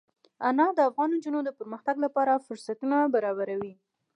انار د افغان نجونو د پرمختګ لپاره فرصتونه برابروي.